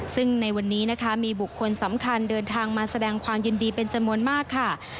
ซึ่งในวันนี้นะคะมีบุคคลสำคัญเดินทางมาแสดงความยินดีเป็นจำนวนมากค่ะ